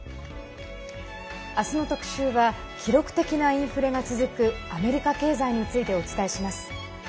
あすの特集は記録的なインフレが続くアメリカ経済についてお伝えします。